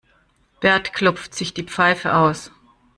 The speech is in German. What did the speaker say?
Bert klopft sich die Pfeife aus.